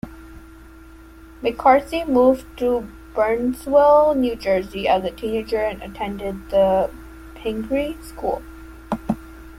McCarthy moved to Bernardsville, New Jersey, as a teenager and attended the Pingry School.